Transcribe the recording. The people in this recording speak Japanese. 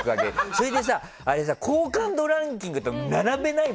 それでさ、好感度ランキングと並べない？